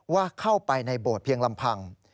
ว่าเข้าไปในโบสถ์เพียงลำพัง